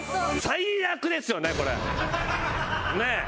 最悪ですよねこれ！ねえ！